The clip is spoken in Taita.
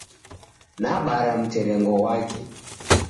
Nabara mterengo ghwake.